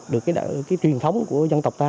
được cái truyền thống của dân tộc ta